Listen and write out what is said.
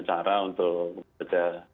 cara untuk bekerja